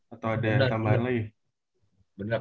atau ada yang tambahin lagi